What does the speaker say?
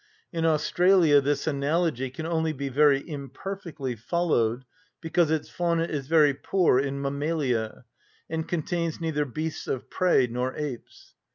In Australia this analogy can only be very imperfectly followed because its fauna is very poor in mammalia, and contains neither beasts of prey nor apes.